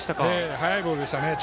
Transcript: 速いボールでしたね。